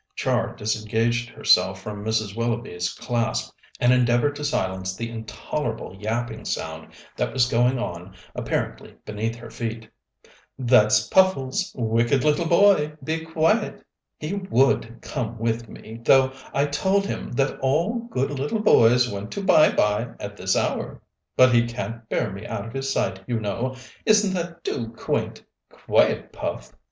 Char disengaged herself from Mrs. Willoughby's clasp, and endeavoured to silence the intolerable yapping sound that was going on apparently beneath her feet. "That's Puffles wicked little boy, be quiet. He would come with me, though I told him that all good little boys went to bye bye at this hour; but he can't bear me out of his sight, you know. Isn't that too quaint? Quiet, Puff!